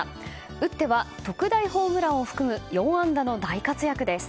打っては特大ホームランを含む４安打の大活躍です。